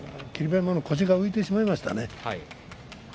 馬山の腰が浮いてしまいましたね。